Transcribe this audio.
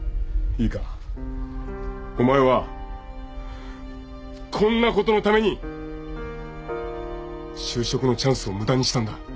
いいかお前はこんなことのために就職のチャンスを無駄にしたんだ。